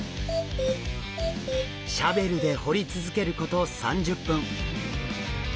シャベルで掘り続けること３０分。